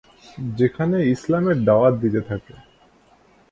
সেখানে ইসলামের দাওয়াত দিতে থাকে।